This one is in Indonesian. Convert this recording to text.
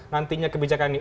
nantinya kebijakan ini